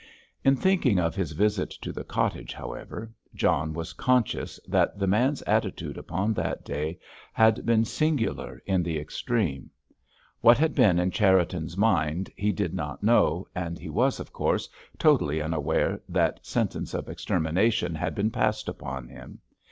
In thinking of his visit to the cottage, however, John was conscious that the man's attitude upon that day had been singular in the extreme. What had been in Cherriton's mind he did not know, and he was, of course, totally unaware that sentence of extermination had been passed upon him.